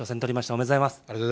おめでとうございます。